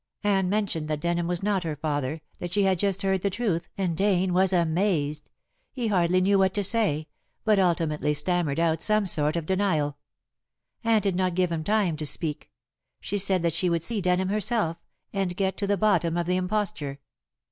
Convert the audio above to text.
Anne mentioned that Denham was not her father, that she had just heard the truth, and Dane was amazed. He hardly knew what to say, but ultimately stammered out some sort of denial. Anne did not give him time to speak. She said that she would see Denham herself, and get to the bottom of the imposture.